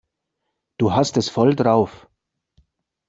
Du hast es voll drauf.